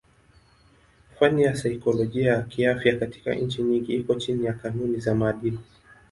Fani ya saikolojia kiafya katika nchi nyingi iko chini ya kanuni za maadili.